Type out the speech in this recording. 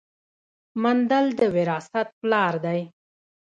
مندل د وراثت پلار دی